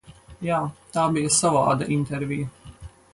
Jā, tā bija savāda intervija.